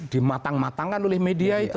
dimatang matangkan oleh media itu